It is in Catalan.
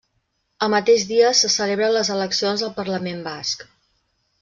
El mateix dia se celebren les eleccions al Parlament Basc.